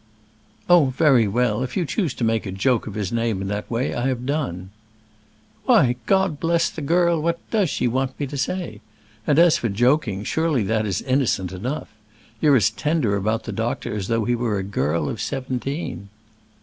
"Oh, very well. If you choose to make a joke of his name in that way, I have done." "Why, God bless the girl! what does she want me to say? And as for joking, surely that is innocent enough. You're as tender about the doctor as though he were a girl of seventeen."